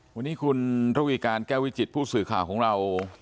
วันนี้คุณระวีการแก้ววิจิตผู้สื่อข่าวของเรา